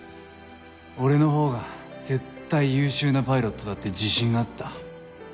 俺のほうが絶対優秀なパイロットだって自信があった。